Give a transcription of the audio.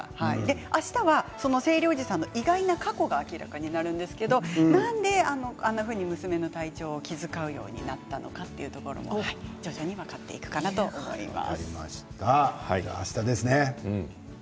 あしたは生理おじさんの意外な過去が明らかになるんですけどなんで娘の体調を気遣うようになったのかというところも徐々に分かっていくかなと思います。